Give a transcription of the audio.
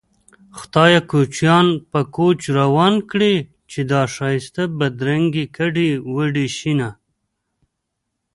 خدايه کوچيان په کوچ روان کړې چې دا ښايسته بدرنګې ګډې وډې شينه